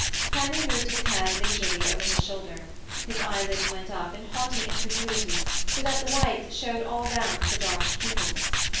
Henry moved his head leisurely over his shoulder; his eyelids went up, in haughty incredulity, so that the whites showed all round the dark pupils.